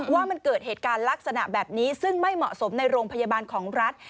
ว่ามันเกิดเหตุการณ์ลักษณะแบบนี้ซึ่งไม่เหมาะสมในโรงพยาบาลของรัฐ